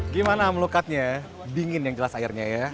gimana melukatnya dingin yang jelas airnya ya